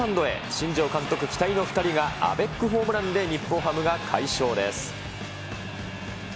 新庄監督期待の２人が、アベックホームランで、日本ハムが快勝です。